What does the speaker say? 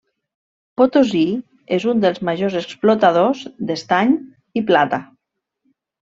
Potosí és un dels majors explotadors d'estany i plata.